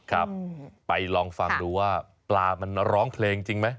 ครับไปลองฟังดูว่าปลามันร้องเพลงจริงไหม